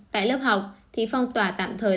tại lớp học thì phong tỏa tạm thời